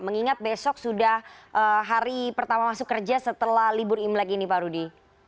mengingat besok sudah hari pertama masuk kerja setelah libur imlek ini pak rudi